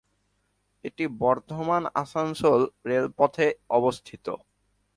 এটি বর্ধমান-আসানসোল রেলপথে অবস্থিত।